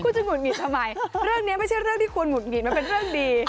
คุณจะหุดหงิดทำไมเรื่องนี้ไม่ใช่เรื่องที่คุณหุดหงิดมันเป็นเรื่องดี